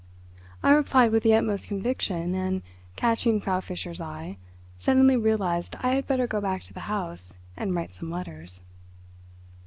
I replied with the utmost conviction, and, catching Frau Fischer's eye, suddenly realised I had better go back to the house and write some letters.